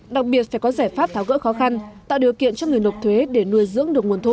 đặc biệt phải có giải pháp tháo gỡ khó khăn tạo điều kiện cho người nộp thuế để nuôi dưỡng